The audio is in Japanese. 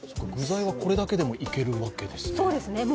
具材はこれだけでもいけるわけですね。